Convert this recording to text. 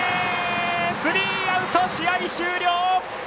スリーアウト、試合終了！